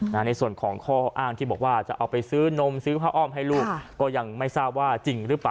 ในส่วนของข้ออ้างที่บอกว่าจะเอาไปซื้อนมซื้อผ้าอ้อมให้ลูกก็ยังไม่ทราบว่าจริงหรือเปล่า